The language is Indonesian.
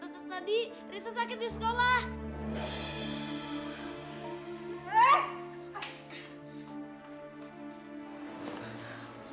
tadi riset sakit di sekolah